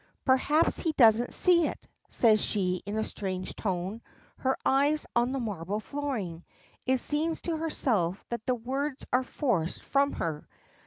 "Perhaps he doesn't see it," says she in a strange tone, her eyes on the marble flooring. It seems to herself that the words are forced from her.